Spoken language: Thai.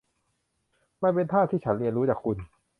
มันเป็นท่าที่ฉันเรียนรู้จากคุณ